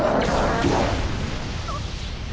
あっ！